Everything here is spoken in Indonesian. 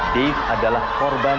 dev adalah korban